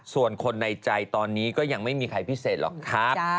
ส่วนคนในใจตอนนี้ก็ยังไม่มีใครพิเศษหรอกครับ